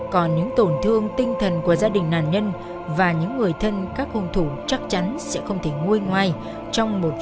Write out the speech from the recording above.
còn những tổn thương tinh thần của gia đình nạn nhân và những người thân các hôn thủ chắc chắn sẽ không thể nguôi ngoai trong một sớm một chiều